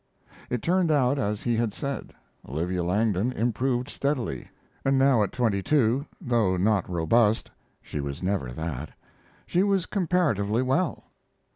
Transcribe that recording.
It turned out as he had said. Olivia Langdon improved steadily, and now at twenty two, though not robust she was never that she was comparatively well.